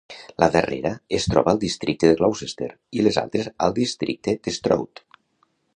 La darrera es troba al districte de Gloucester i les altres al districte d'Stroud.